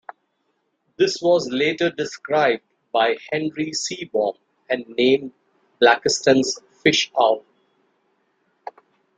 This was later described by Henry Seebohm and named Blakiston's fish owl.